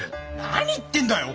何言ってんだよ！